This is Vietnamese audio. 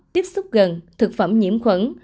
tiếp xúc gần thực phẩm nhiễm khuẩn